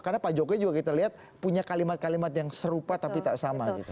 karena pak jokowi juga kita lihat punya kalimat kalimat yang serupa tapi tak sama gitu